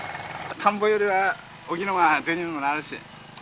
田んぼよりは沖の方が銭にもなるし。